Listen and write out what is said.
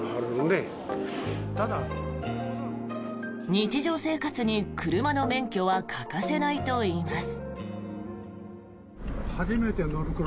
日常生活に車の免許は欠かせないといいます。